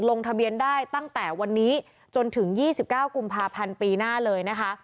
ลงทะเบียนได้ตั้งแต่วันนี้จนถึง๒๙กุมภาพันธ์ปีหน้าเลยนะคะ